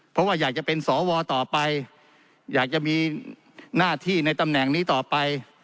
เพราะว่าอยากจะเป็นสวต่อไปอยากจะมีหน้าที่ในตำแหน่งนี้ต่อไป